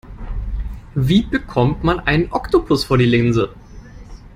Wie bekommt man einen Oktopus vor die Linse?